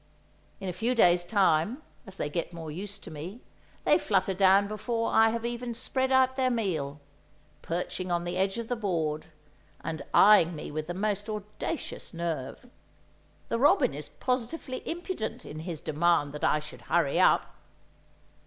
In a few days' time, as they get more used to me, they flutter down before I have even spread out their meal, perching on the edge of the board and eyeing me with the most audacious nerve. The robin is positively impudent in his demand that I should hurry up!